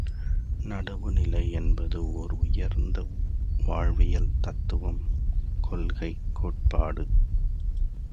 நடுவுநிலை என்பது ஒர் உயர்ந்த வாழ்வியல் தத்துவம் கொள்கை கோட்பாடு!